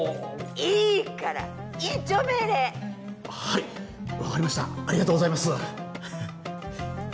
いいから院長命令！はいわかりましたありがとうございますははっ。